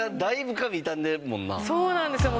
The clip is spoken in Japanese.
そうなんですよ。